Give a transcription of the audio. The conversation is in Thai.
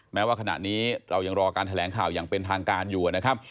แม้ว่าขณะนี้เรายังรอการแถลงข่าวอย่างเป็นทางการอยู่นะครับ